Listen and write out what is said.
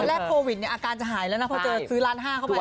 ตอนแรกโควิดเนี่ยอาการจะหายแล้วนะพอเจอซื้อร้านห้าเข้ามา